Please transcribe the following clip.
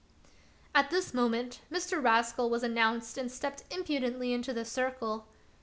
At this moment Mr. Rascal was announced and stepped impudently into the circle.